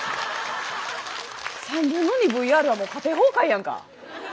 ３分の２ＶＲはもう家庭崩壊やんか。